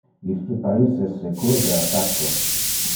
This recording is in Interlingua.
Iste pais es secur de attaccos.